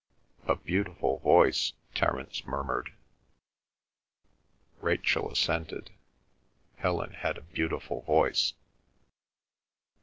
"A beautiful voice," Terence murmured. Rachel assented. Helen had a beautiful voice.